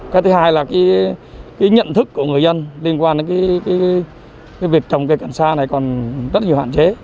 cái thứ hai là cái nhận thức của người dân liên quan đến cái việc trồng cây cần xa này còn rất nhiều